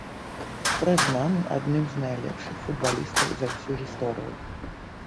Прызнаны адным з найлепшых футбалістаў за ўсю гісторыю.